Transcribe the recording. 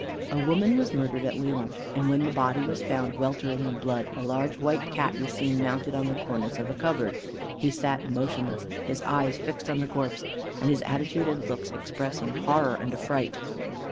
A woman was murdered at Lyons, and when the body was found weltering in blood, a large white Cat was seen mounted on the cornice of a cupboard. He sat motionless, his eyes fixed on the corpse, and his attitude and looks expressing horror and affright.